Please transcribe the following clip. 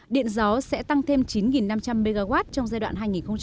điện gió sẽ tăng thêm chín năm trăm linh mw trong giai đoạn hai nghìn hai mươi năm hai nghìn ba mươi